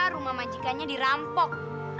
rumah majikannya dirampok